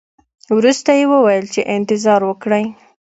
ورسته یې وویل چې انتظار وکړئ.